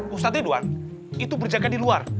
ustadz ridwan itu berjaga di luar